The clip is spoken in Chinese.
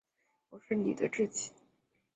我喜欢你的志气